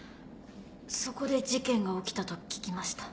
そこで事件が起きたと聞きました。